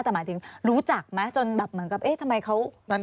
แต่หมายถึงรู้จักมั้ยจนเหมือนกับทำไมเขาสั่งมาล่ะ